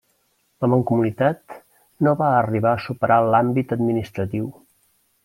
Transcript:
La mancomunitat no va arribar a superar l'àmbit administratiu.